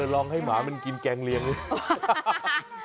ลองให้หมามันกินแกงเลียงไหม